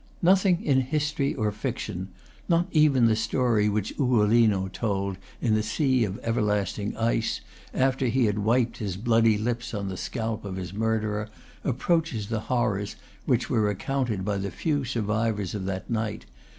Nothing in history or fiction, not even the story which Ugolino told in the sea of everlasting ice, after he had wiped his bloody lips on the scalp of his murderer, approaches the horrors which were recounted by the few survivors of that night.